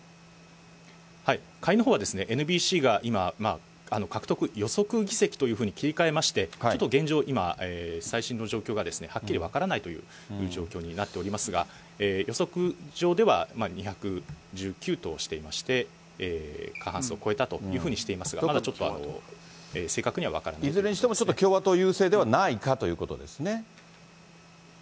下院のほうはＮＢＣが今、獲得予測議席というふうに切り替えまして、ちょっと現状、今、最新の状況がはっきり分からないという状況になっておりますが、予測上では、２１９としていまして、過半数を超えたというふうにしていますが、まだちょっと、いずれにしても、共和党優勢ではないかということですね。